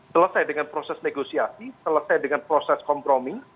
selesai dengan proses negosiasi selesai dengan proses kompromi